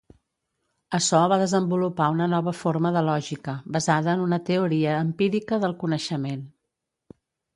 Açò va desenvolupar una nova forma de lògica, basada en una teoria empírica del coneixement.